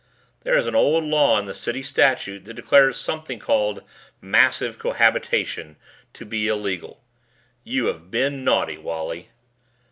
"There is an old law in the City Statute that declares something called 'Massive Cohabitation' to be illegal. You have been naughty, Wally."